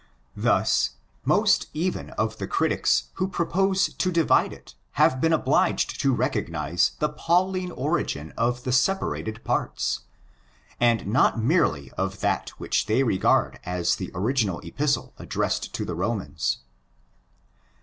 Thus, most even of the critics who propose to divide it have been obliged to recognise the '' Pauline'' origin of the separated parts, and not merely of that which they regard as the original Epistle addressed to the Romans.